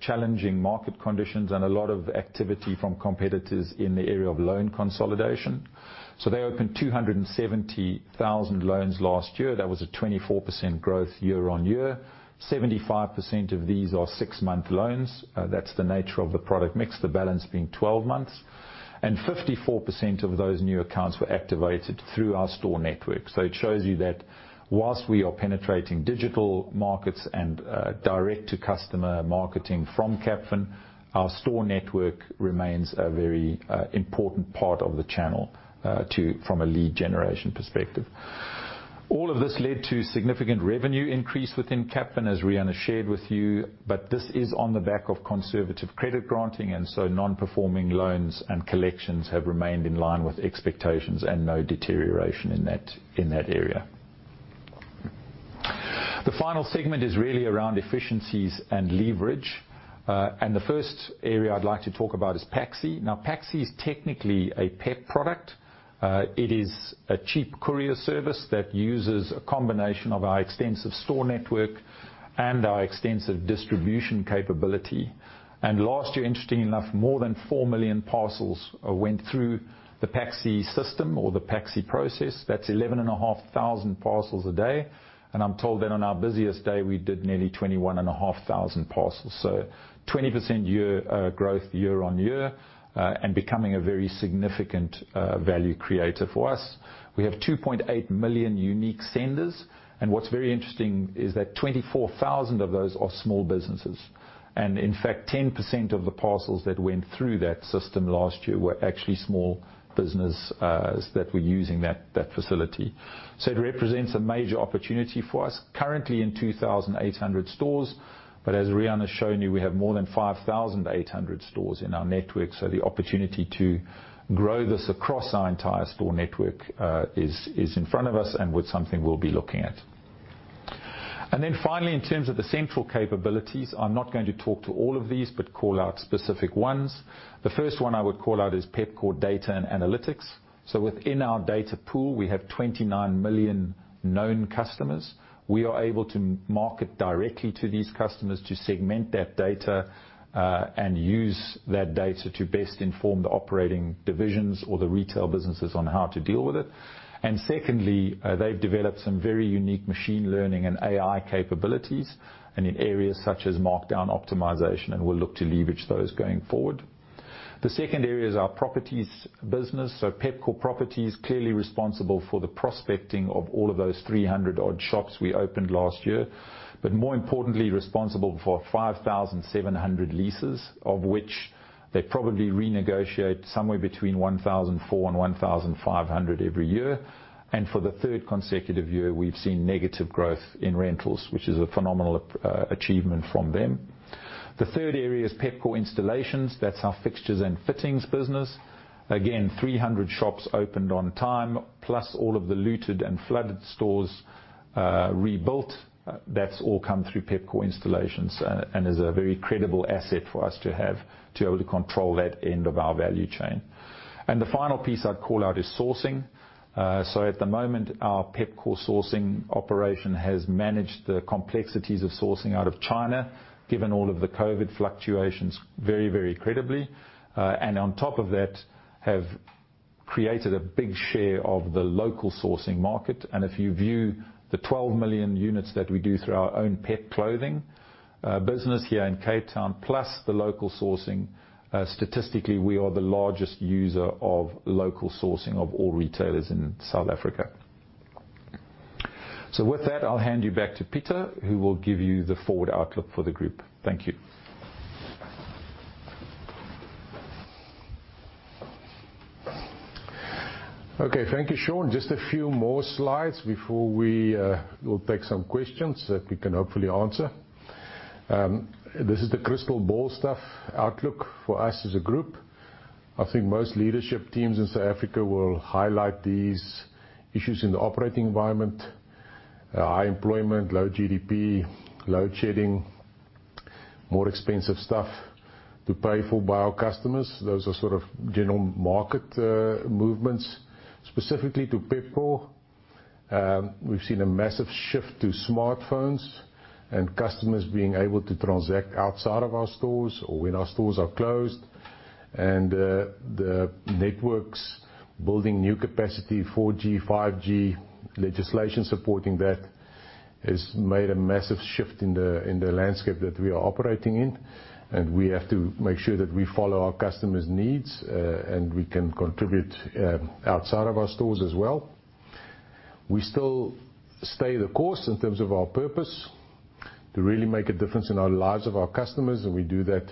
challenging market conditions and a lot of activity from competitors in the area of loan consolidation. They opened 270,000 loans last year. That was a 24% growth year-on-year. 75% of these are six-month loans. That's the nature of the product mix, the balance being 12 months. 54% of those new accounts were activated through our store network. It shows you that whilst we are penetrating digital markets and direct to customer marketing from Capfin, our store network remains a very important part of the channel from a lead generation perspective. All of this led to significant revenue increase within Capfin, as Riaan shared with you, but this is on the back of conservative credit granting, and so non-performing loans and collections have remained in line with expectations and no deterioration in that area. The final segment is really around efficiencies and leverage. The first area I'd like to talk about is PAXI. PAXI is technically a PEP product. It is a cheap courier service that uses a combination of our extensive store network and our extensive distribution capability. Last year, interestingly enough, more than 4 million parcels went through the PAXI system or the PAXI process. That's 11,500 parcels a day. I'm told that on our busiest day, we did nearly 21,500 parcels. 20% growth year-on-year, and becoming a very significant value creator for us. We have 2.8 million unique senders, and what's very interesting is that 24,000 of those are small businesses. In fact, 10% of the parcels that went through that system last year were actually small business that were using that facility. It represents a major opportunity for us currently in 2,800 stores. As Riaan has shown you, we have more than 5,800 stores in our network. The opportunity to grow this across our entire store network is in front of us and with something we'll be looking at. Finally, in terms of the central capabilities, I'm not going to talk to all of these, but call out specific ones. The first one I would call out is Pepkor Data and Analytics. Within our data pool, we have 29 million known customers. We are able to market directly to these customers to segment that data and use that data to best inform the operating divisions or the retail businesses on how to deal with it. Secondly, they've developed some very unique machine learning and AI capabilities, and in areas such as markdown optimization, and we'll look to leverage those going forward. The second area is our properties business. Pepkor Properties, clearly responsible for the prospecting of all of those 300 odd shops we opened last year. More importantly, responsible for 5,700 leases, of which they probably renegotiate somewhere between 1,400 and 1,500 every year. For the third consecutive year, we've seen negative growth in rentals, which is a phenomenal achievement from them. The third area is Pepkor Installations. That's our fixtures and fittings business. Again, 300 shops opened on time, plus all of the looted and flooded stores rebuilt. That's all come through Pepkor Installations and is a very credible asset for us to have to be able to control that end of our value chain. The final piece I'd call out is sourcing. At the moment, our Pepkor sourcing operation has managed the complexities of sourcing out of China, given all of the COVID fluctuations, very, very credibly. On top of that, have created a big share of the local sourcing market. If you view the 12 million units that we do through our own Pep Clothing, business here in Cape Town, plus the local sourcing, statistically, we are the largest user of local sourcing of all retailers in South Africa. With that, I'll hand you back to Pieter, who will give you the forward outlook for the group. Thank you. Okay. Thank you, Sean. Just a few more slides before we will take some questions that we can hopefully answer. This is the crystal ball stuff outlook for us as a group. I think most leadership teams in South Africa will highlight these issues in the operating environment. High employment, low GDP, load shedding, more expensive stuff to pay for by our customers. Those are sort of general market movements. Specifically to Pepkor, we've seen a massive shift to smartphones and customers being able to transact outside of our stores or when our stores are closed. The networks building new capacity, 4G, 5G, legislation supporting that, has made a massive shift in the landscape that we are operating in, and we have to make sure that we follow our customers' needs, and we can contribute outside of our stores as well. We still stay the course in terms of our purpose to really make a difference in our lives of our customers, and we do that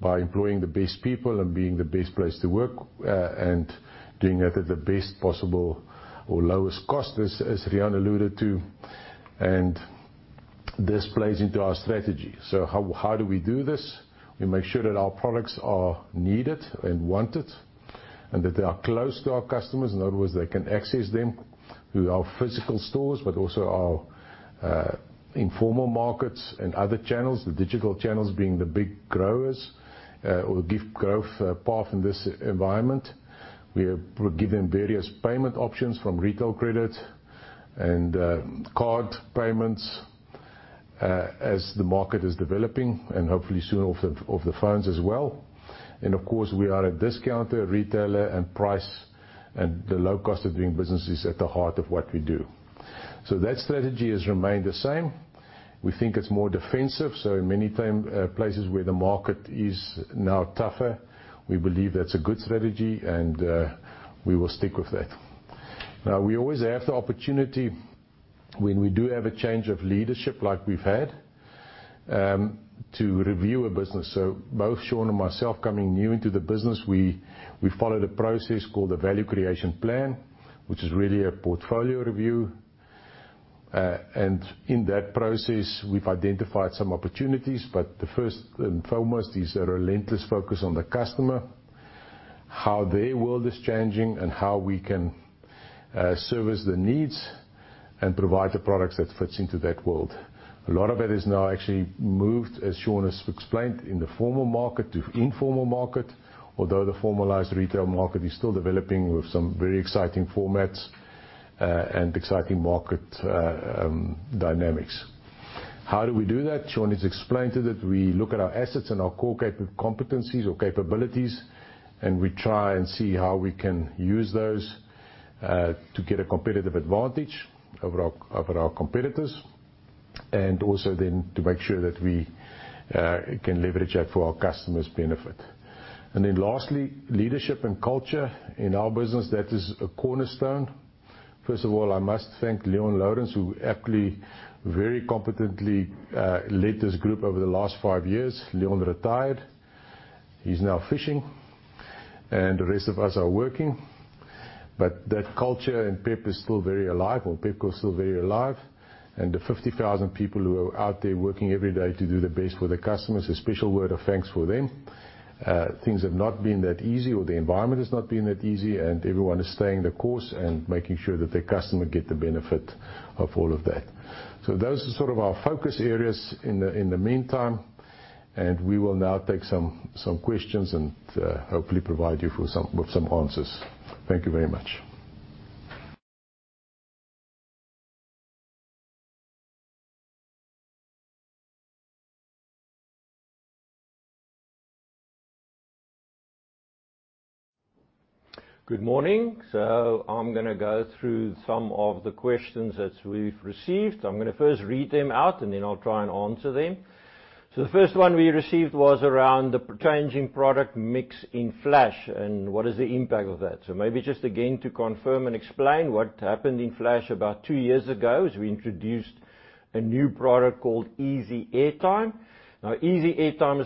by employing the best people and being the best place to work, and doing that at the best possible or lowest cost, as Riaan alluded to, and this plays into our strategy. How do we do this? We make sure that our products are needed and wanted and that they are close to our customers. In other words, they can access them through our physical stores, but also our informal markets and other channels, the digital channels being the big growers, or give growth path in this environment. We give them various payment options from retail credit and card payments, as the market is developing and hopefully soon of the phones as well. Of course, we are a discounter, retailer and price, and the low cost of doing business is at the heart of what we do. That strategy has remained the same. We think it's more defensive, in many places where the market is now tougher, we believe that's a good strategy and we will stick with that. We always have the opportunity when we do have a change of leadership, like we've had, to review a business. Both Sean and myself coming new into the business, we followed a process called the Value Creation Plan, which is really a portfolio review. In that process, we've identified some opportunities, but the first and foremost is a relentless focus on the customer, how their world is changing and how we can service the needs and provide the products that fits into that world. A lot of it is now actually moved, as Sean has explained, in the formal market to informal market. Although the formalized retail market is still developing with some very exciting formats, and exciting market dynamics. How do we do that? Sean has explained it, that we look at our assets and our core competencies or capabilities, we try and see how we can use those to get a competitive advantage over our competitors, also to make sure that we can leverage that for our customers' benefit. Lastly, leadership and culture. In our business, that is a cornerstone. First of all, I must thank Leon Lourens, who aptly, very competently, led this group over the last five years. Leon retired. He's now fishing. The rest of us are working. That culture in PEP is still very alive, or Pepkor is still very alive, the 50,000 people who are out there working every day to do the best for the customers, a special word of thanks for them. Things have not been that easy or the environment has not been that easy, everyone is staying the course and making sure that the customer get the benefit of all of that. Those are sort of our focus areas in the meantime, we will now take some questions and hopefully provide you with some answers. Thank you very much. Good morning. I'm gonna go through some of the questions that we've received. I'm gonna first read them out, and then I'll try and answer them. The first one we received was around the changing product mix in Flash, and what is the impact of that? Maybe just again to confirm and explain what happened in Flash about two years ago is we introduced a new product called EeziAirtime. Now, EeziAirtime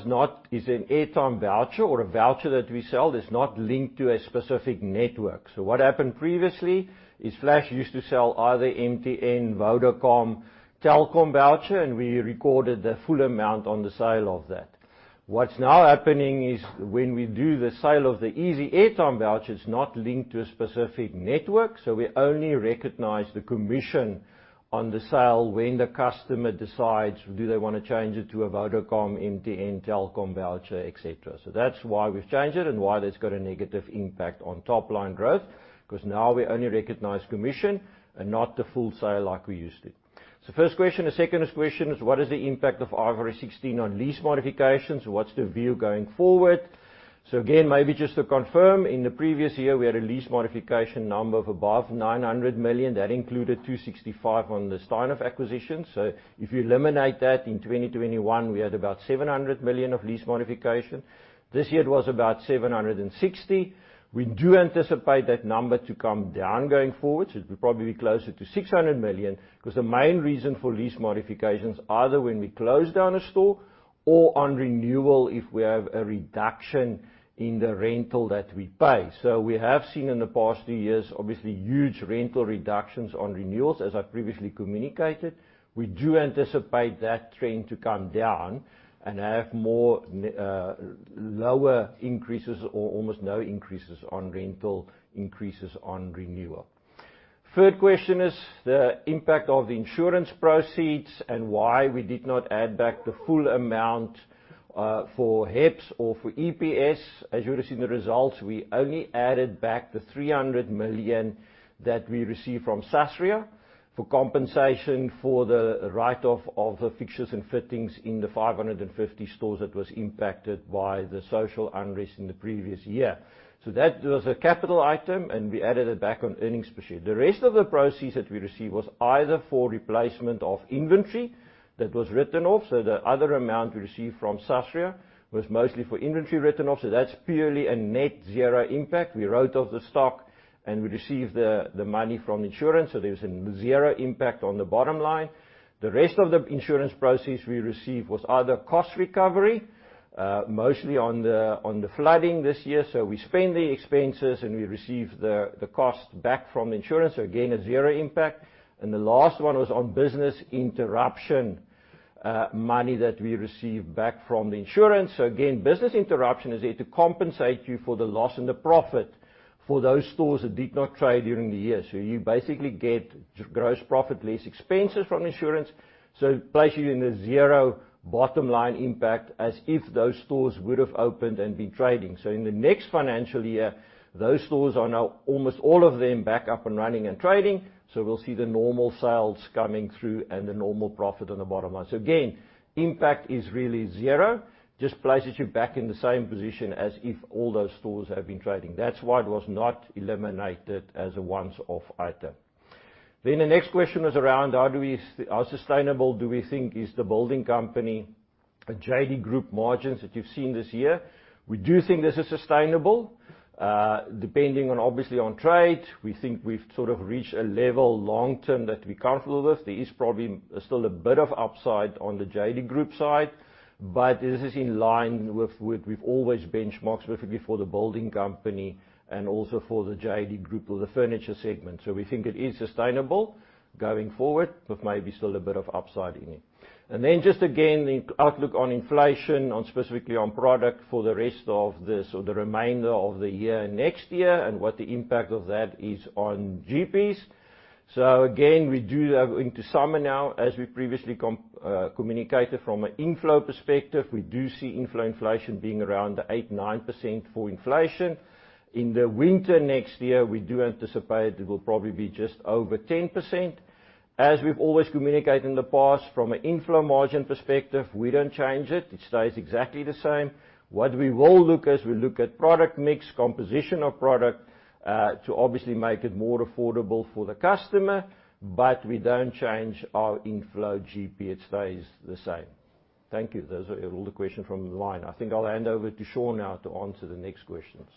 is an airtime voucher or a voucher that we sell that's not linked to a specific network. What happened previously is Flash used to sell either MTN, Vodacom, Telkom voucher, and we recorded the full amount on the sale of that. What's now happening is when we do the sale of the EeziAirtime voucher, it's not linked to a specific network, we only recognize the commission on the sale when the customer decides do they wanna change it to a Vodacom, MTN, Telkom voucher, et cetera. That's why we've changed it and why that's got a negative impact on top line growth, 'cause now we only recognize commission and not the full sale like we used to. First question. The second question is what is the impact of IFRS 16 on lease modifications? What's the view going forward? Again, maybe just to confirm, in the previous year, we had a lease modification number of above 900 million. That included 265 on the Steinhoff acquisition. If you eliminate that, in 2021 we had about 700 million of lease modification. This year it was about 760. We do anticipate that number to come down going forward, so it'll probably be closer to 600 million, 'cause the main reason for lease modifications are either when we close down a store or on renewal if we have a reduction in the rental that we pay. We have seen in the past two years obviously huge rental reductions on renewals, as I previously communicated. We do anticipate that trend to come down and have more lower increases or almost no increases on rental increases on renewal. Third question is the impact of the insurance proceeds and why we did not add back the full amount for HEPS or for EPS. As you would've seen the results, we only added back the 300 million that we received from Sasria for compensation for the write-off of the fixtures and fittings in the 550 stores that was impacted by the social unrest in the previous year. That was a capital item, and we added it back on earnings per share. The rest of the proceeds that we received was either for replacement of inventory that was written off, the other amount we received from Sasria was mostly for inventory written off, that's purely a net zero impact. We wrote off the stock, we received the money from insurance, there's an zero impact on the bottom line. The rest of the insurance proceeds we received was either cost recovery, mostly on the flooding this year. We spend the expenses, and we receive the cost back from the insurance, again a zero impact. The last one was on Business Interruption money that we received back from the insurance. Again, Business Interruption is there to compensate you for the loss and the profit for those stores that did not trade during the year. You basically get Gross Profit less expenses from insurance, so it places you in a zero bottom line impact as if those stores would've opened and been trading. In the next financial year, those stores are now, almost all of them, back up and running and trading, so we'll see the normal sales coming through and the normal profit on the bottom line. Again, impact is really zero. Just places you back in the same position as if all those stores have been trading. That's why it was not eliminated as a once-off item. The next question was around how sustainable do we think is The Building Company, the JD Group margins that you've seen this year. We do think this is sustainable. Depending on, obviously, on trade, we think we've sort of reached a level long term that we're comfortable with. There is probably still a bit of upside on the JD Group side, but this is in line with what we've always benchmarked, specifically for The Building Company and also for the JD Group or the furniture segment. We think it is sustainable going forward with maybe still a bit of upside in it. Just again, the outlook on inflation on, specifically on product for the rest of this or the remainder of the year next year and what the impact of that is on GPs. Going to summer now, as we previously communicated from an inflow perspective, we do see inflow inflation being around the 8%-9% for inflation. In the winter next year, we do anticipate it will probably be just over 10%. As we've always communicated in the past, from a inflow margin perspective, we don't change it. It stays exactly the same. What we will look as we look at product mix, composition of product, to obviously make it more affordable for the customer, but we don't change our inflow GP. It stays the same. Thank you. Those are all the question from the line. I think I'll hand over to Sean now to answer the next questions.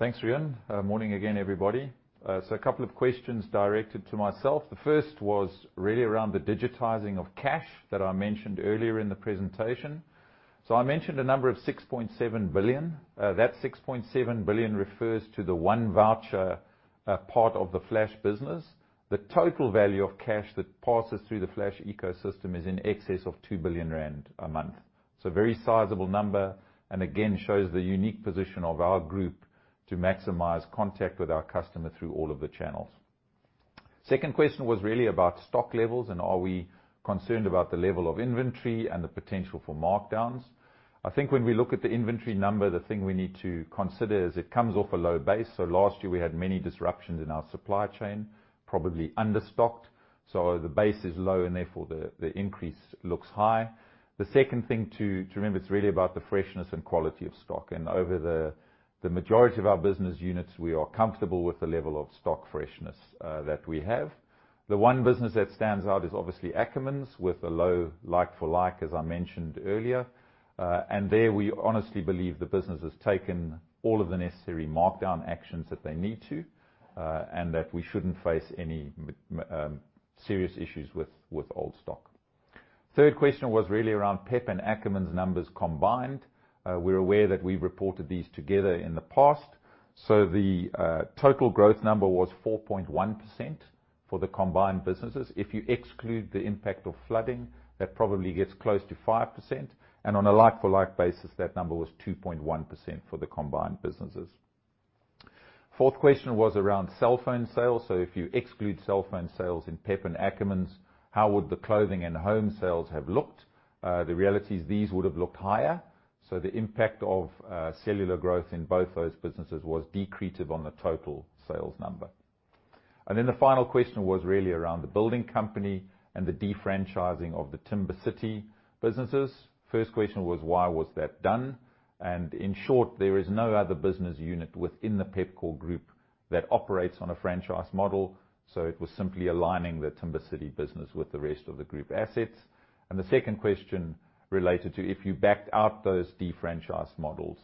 Thanks, Ryan. Morning again, everybody. A couple of questions directed to myself. The first was really around the digitizing of cash that I mentioned earlier in the presentation. I mentioned a number of 6.7 billion. That 6.7 billion refers to the 1Voucher part of the Flash business. The total value of cash that passes through the Flash ecosystem is in excess of 2 billion rand a month. It's a very sizable number, and again, shows the unique position of our group to maximize contact with our customer through all of the channels. Second question was really about stock levels, and are we concerned about the level of inventory and the potential for markdowns. I think when we look at the inventory number, the thing we need to consider is it comes off a low base, so last year we had many disruptions in our supply chain, probably understocked. The base is low and therefore the increase looks high. The second thing to remember, it's really about the freshness and quality of stock. Over the majority of our business units, we are comfortable with the level of stock freshness that we have. The one business that stands out is obviously Ackermans with a low like for like, as I mentioned earlier. There, we honestly believe the business has taken all of the necessary markdown actions that they need to, and that we shouldn't face any serious issues with old stock. Third question was really around PEP and Ackermans numbers combined. We're aware that we reported these together in the past, the total growth number was 4.1% for the combined businesses. If you exclude the impact of flooding, that probably gets close to 5%, on a like for like basis, that number was 2.1% for the combined businesses. Fourth question was around cell phone sales. If you exclude cell phone sales in PEP and Ackermans, how would the clothing and home sales have looked? The reality is these would have looked higher. The impact of cellular growth in both those businesses was decretive on the total sales number. The final question was really around The Building Company and the defranchising of the Timbercity businesses. First question was, why was that done? In short, there is no other business unit within the Pepkor Group that operates on a franchise model. It was simply aligning the Timbercity business with the rest of the Group assets. The second question related to if you backed out those defranchised models,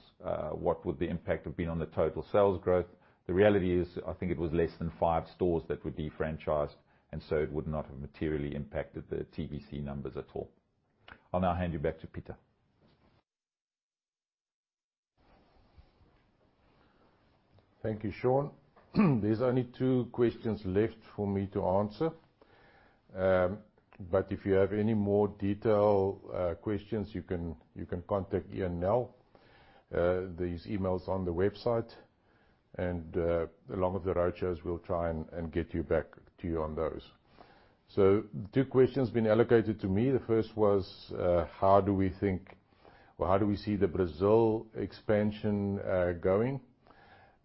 what would the impact have been on the total sales growth? The reality is, I think it was less than five stores that were defranchised, and so it would not have materially impacted the TBC numbers at all. I'll now hand you back to Pieter. Thank you, Sean. There's only two questions left for me to answer. If you have any more detailed questions, you can contact Ian Nel. These emails are on the website. Along with the roadshows, we'll try and get you back to you on those. two questions been allocated to me. The first was, how do we think or how do we see the Brazil expansion going?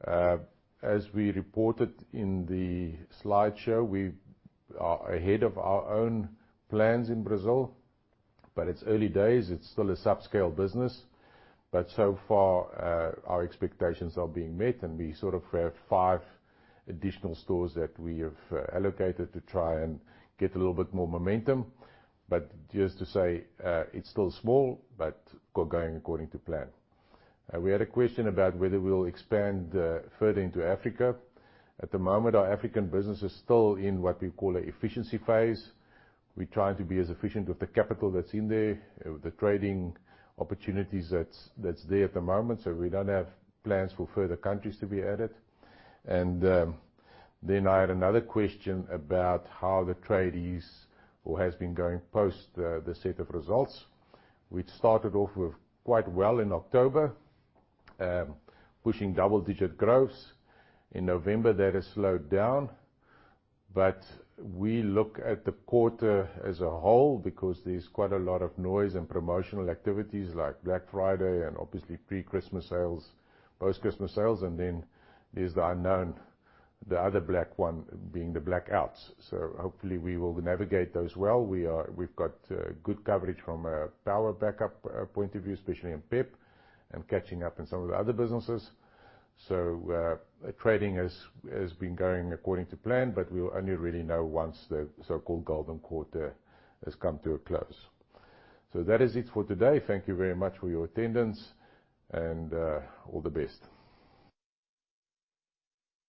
As we reported in the slideshow, we are ahead of our own plans in Brazil, but it's early days. It's still a subscale business. So far, our expectations are being met, and we sort of have five additional stores that we have allocated to try and get a little bit more momentum. Just to say, it's still small, but going according to plan. We had a question about whether we'll expand further into Africa. At the moment, our African business is still in what we call an efficiency phase. We're trying to be as efficient with the capital that's in there, with the trading opportunities that's there at the moment. We don't have plans for further countries to be added. I had another question about how the trade is or has been going post the set of results. We'd started off with quite well in October, pushing double-digit growths. In November, that has slowed down. We look at the quarter as a whole because there's quite a lot of noise and promotional activities like Black Friday and obviously pre-Christmas sales, post-Christmas sales, and then there's the unknown, the other black one being the blackouts. Hopefully we will navigate those well. We've got good coverage from a power backup point of view, especially in PEP and catching up in some of the other businesses. Trading has been going according to plan, but we'll only really know once the so-called golden quarter has come to a close. That is it for today. Thank you very much for your attendance and all the best.